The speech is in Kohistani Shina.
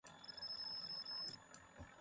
تھو آ اُڅِھجیْ ڇھہُوں ووئی اٹیسوئے۔